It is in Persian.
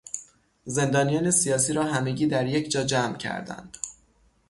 زندانیان سیاسی را همگی در یک جا جمع کردند.